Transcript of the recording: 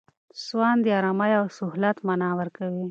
سوان د آرامۍ او سهولت مانا ورکوي.